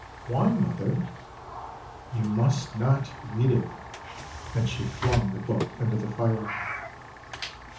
"Why, mother?" " You must not read it," and she flung the book into the fire.